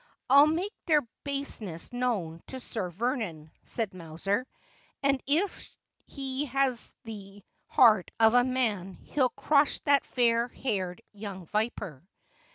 ' I'll make their baseness known to Sir Vernon,' said Mowser, ' and if he has the heart of a man he'll crush that fair haired young viper.'